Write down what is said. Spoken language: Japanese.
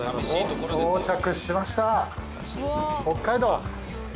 到着しました北海道。